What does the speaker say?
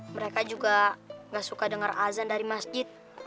mereka juga gak suka dengar azan dari masjid